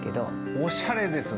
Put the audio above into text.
おしゃれですね。